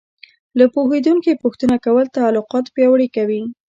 له پوهېدونکي پوښتنه کول تعلقات پیاوړي کوي.